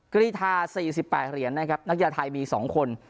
กรีธา๔๘เหรียญนะครับนักกีฬาไทยมี๒คน